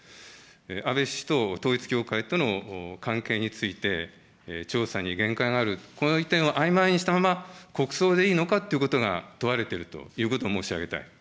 安倍氏と統一教会との、関係について、調査に限界がある、この点をあいまいにしたまま、国葬でいいのかということが問われているということを申し上げたい。